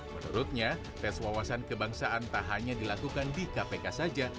menurutnya tes wawasan kebangsaan tak hanya dilakukan di kpk saja